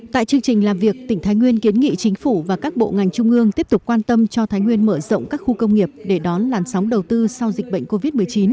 tại chương trình làm việc tỉnh thái nguyên kiến nghị chính phủ và các bộ ngành trung ương tiếp tục quan tâm cho thái nguyên mở rộng các khu công nghiệp để đón làn sóng đầu tư sau dịch bệnh covid một mươi chín